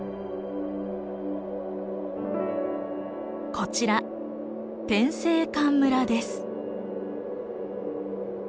こちら天井関村です。